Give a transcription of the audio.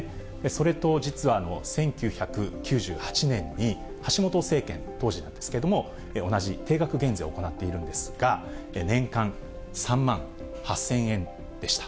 それと実は、１９９８年に橋本政権、当時なんですけれども、同じ定額減税を行っているんですが、年間３万８０００円でした。